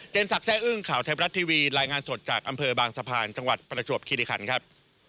เจนสักแซ่อุ้มข่าวไทยประรัชทีวีรายงานสดจากดบางสะพานจังหวัดประชวบคิฟลิคัณครับ